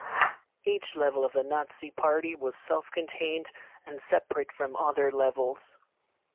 Each level of the Nazi Party was self-contained and separate from other levels.